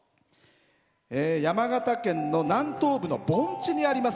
山形県の南東部の盆地にあります